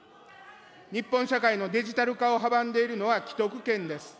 日本社会のデジタル化を阻んでいるのは既得権です。